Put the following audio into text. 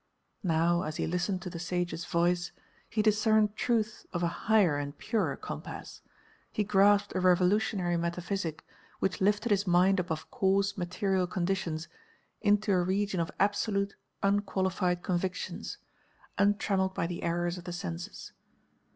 Now, as he listened to the sage's voice, he discerned truths of a higher and purer compass; he grasped a revolutionary metaphysic which lifted his mind above coarse, material conditions into a region of absolute, unqualified convictions, untrammelled by the errors of the senses.